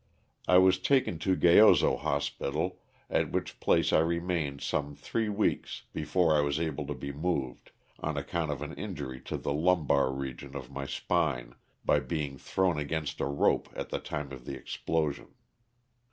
I was taken to Gayoso Hospital, at which place I remained some three weeks before I was able to be moved, on account of an injury to the lumbar region of my spine by being thrown against a rope at the time of the explosion.